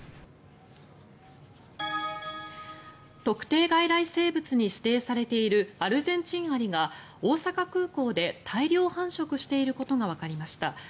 特定外来生物に指定されているアルゼンチンアリが大阪空港で大量繁殖していることがわかりました。